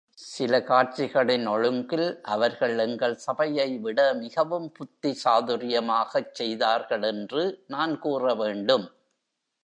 சில காட்சிகளின் ஒழுங்கில் அவர்கள் எங்கள் சபையைவிட மிகவும் புத்தி சாதுர்யமாகச் செய்தார்கள் என்று நான் கூற வேண்டும்.